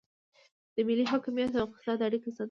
د ملي حاکمیت او اقتصاد اړیکه څه ده؟